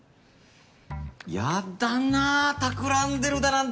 やだなたくらんでるだなんて。